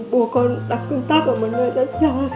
bố con đang cung tắc ở một nơi rất xa